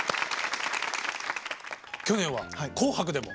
去年は「紅白」でも。